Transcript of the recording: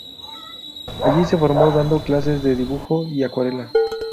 Allí se formó dando clases de dibujo y acuarela.